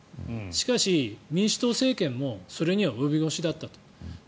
しかし、民主党政権もそれには及び腰だったと。